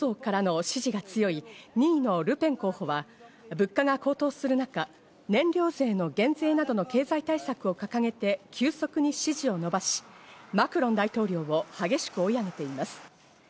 一方、低所得者層からの支持が強い２位のルペン候補は物価が高騰する中、燃料税の減税などの経済対策を掲げて急速に支持を伸ばし、マクロン大統領を激しく追い上げています。